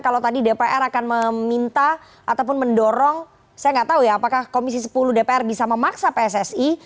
kalau tadi dpr akan meminta ataupun mendorong saya nggak tahu ya apakah komisi sepuluh dpr bisa memaksa pssi